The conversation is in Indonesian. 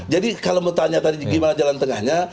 jadi kalau mau tanya tadi gimana jalan tengahnya